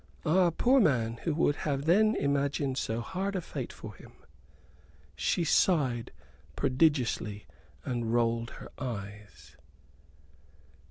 Ah, poor man, who would have then imagined so hard a fate for him?" She sighed prodigiously, and rolled her eyes.